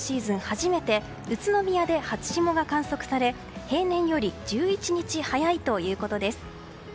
初めて宇都宮で初霜が観測され平年より１１日早いということです。